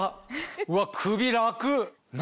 うわっ首楽！